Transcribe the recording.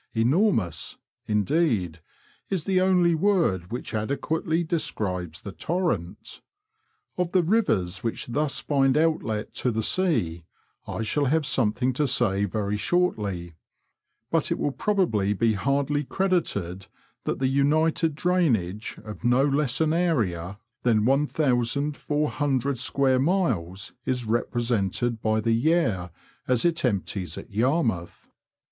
Enormous, indeed, is the only word which ade ] quately describes the torrent. Of the rivers which thus find outlet to the sea I shall have something to say very shortly, but it will probably be hardly credited that the united drainage of no less an area than one thousand four Digitized by VjOOQIC 2 BROADS AND RIVERS OF NORFOLK AND SUFFOLK. hundred square miles is represented by the Yare as it empties at Yarmouth.